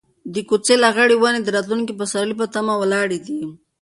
د کوڅې لغړې ونې د راتلونکي پسرلي په تمه ولاړې دي.